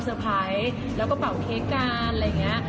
ไพรส์แล้วก็เป่าเค้กกันอะไรอย่างนี้